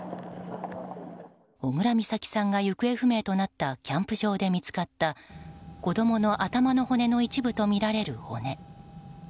小倉美咲さんが行方不明となったキャンプ場で見つかった子供の頭の骨の一部とみられる骨。